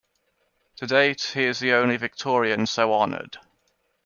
To date, he is the only Victorian so honoured.